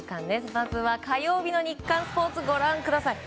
まずは火曜日の日刊スポーツをご覧ください。